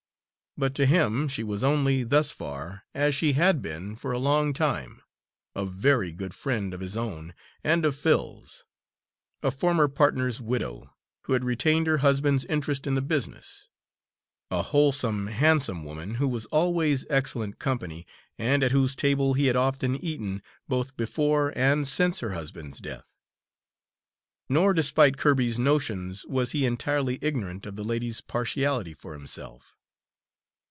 But to him she was only, thus far, as she had been for a long time, a very good friend of his own and of Phil's; a former partner's widow, who had retained her husband's interest in the business; a wholesome, handsome woman, who was always excellent company and at whose table he had often eaten, both before and since her husband's death. Nor, despite Kirby's notions, was he entirely ignorant of the lady's partiality for himself.